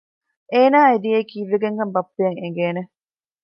އޭނާ އެ ދިޔައީ ކީއްވެގެންކަން ބައްޕައަށް އެނގޭނެ